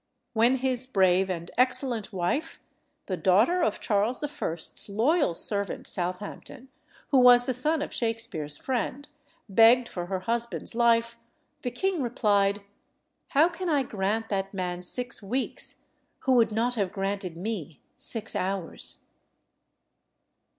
When his brave and excellent wife, the daughter of Charles I.'s loyal servant, Southampton, who was the son of Shakspere's friend, begged for her husband's life, the king replied, "How can I grant that man six weeks, who would not have granted me six hours?"